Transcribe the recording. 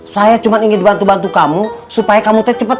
saya cuma ingin bantu bantu kamu supaya bisa mencari kemampuan